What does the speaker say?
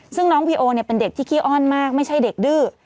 ซึ่งน้องวีโอเป็นเด็กที่ขี้อ้อนมากไม่ใช่เด็กดื้อ